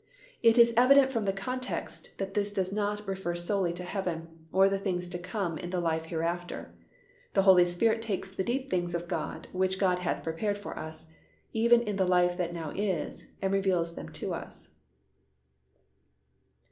It is evident from the context that this does not refer solely to heaven, or the things to come in the life hereafter. The Holy Spirit takes the deep things of God which God hath prepared for us, even in the life that now is, and reveals them to us.